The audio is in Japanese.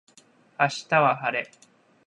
明日は晴れ